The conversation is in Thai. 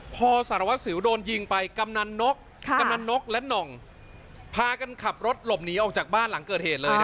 พอสารวัสสิวโดนยิงไปกำนันนกกำนันนกและหน่องพากันขับรถหลบหนีออกจากบ้านหลังเกิดเหตุเลย